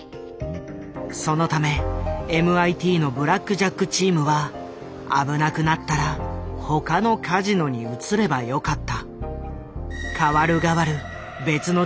そのためＭＩＴのブラックジャック・チームは危なくなったら他のカジノに移ればよかった。